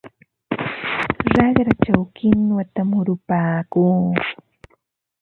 Raqrachaw kinwata murupaakuu.